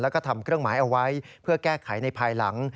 แล้วก็ทำเครื่องหมายเอาไว้เพื่อแก้ไขในภายหลัง